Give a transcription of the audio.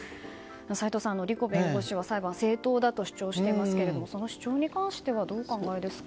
齋藤さん、リコ弁護士は裁判は正当だと主張していますがその主張に関してはどうお考えですか。